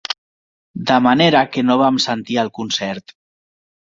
De manera que no vam sentir el concert.